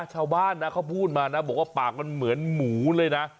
ชาวบ้านนะเขาพูดมานะบอกว่าปากมันเหมือนหมูเลยนะ